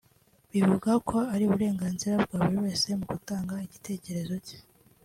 bivugwa ko ari uburenganzira bwa buri wese mu gutanga igitekerezo cye